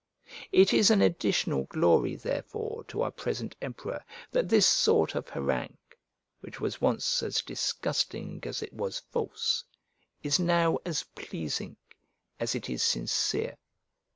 It is an additional glory therefore to our present emperor that this sort of harangue, which was once as disgusting as it was false, is now as pleasing as it is sincere.